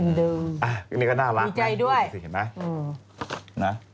เอ็มดึงมีใจด้วยเห็นไหมนะฮะ